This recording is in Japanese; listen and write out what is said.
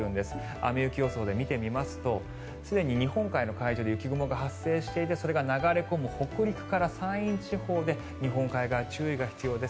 雨・雪予想で見てみますとすでに日本海の海上で雪雲が発生していてそれが流れ込む北陸から山陰地方で日本海側、注意が必要です。